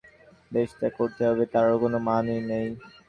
তাই বলে মোদি ক্ষমতায় এলে দেশত্যাগ করতে হবে, তারও কোনো মানে নেই।